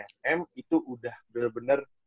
sm itu udah bener bener